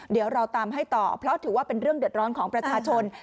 เดี๋ยวเราตามให้ต่อเพราะถือว่าเป็นเรื่องเดือดร้อนของประชาชน